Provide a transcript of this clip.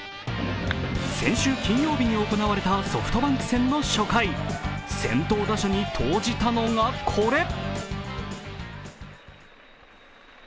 先週金曜日に行われたソフトバンク戦の初回、先頭打者に投じたのがこれ。